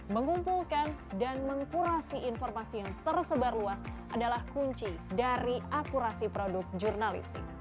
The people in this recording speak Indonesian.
mengumpulkan dan mengkurasi informasi yang tersebar luas adalah kunci dari akurasi produk jurnalistik